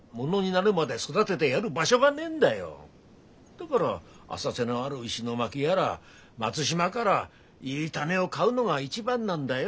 だがら浅瀬のある石巻やら松島からいいタネを買うのが一番なんだよ。